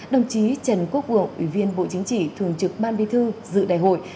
đồng chí trần quốc vượng ủy viên bộ chính trị thường trực ban bi thư dự đại hội